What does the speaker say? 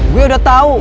gue udah tau